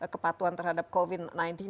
kepatuhan terhadap covid sembilan belas